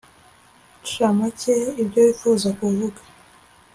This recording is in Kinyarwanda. nshamake ibyo wifuza kuvuga